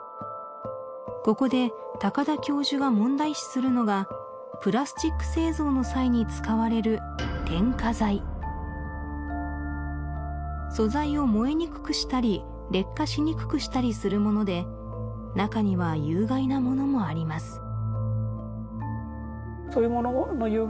ここで高田教授が問題視するのがプラスチック製造の際に使われる素材を燃えにくくしたり劣化しにくくしたりするもので中には有害なものもあります